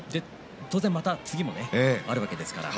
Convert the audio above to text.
当然、次もあるわけですからね。